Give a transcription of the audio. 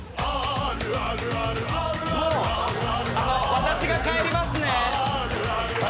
私が帰ります。